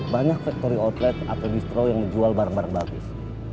banyak factory outlet atau distro yang menjual barang barang bagus